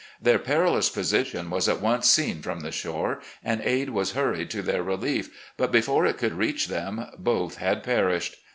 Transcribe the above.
Their perilous position was at once seen from the shore, and aid was hurried to their relief, but before it could reach them both had perished.